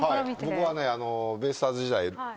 僕はねベイスターズ時代。